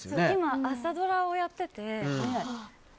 今、朝ドラをやってて。